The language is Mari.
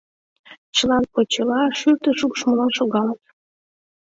Чылан почела, шӱртӧ шупшмыла шогалыт.